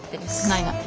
ないない。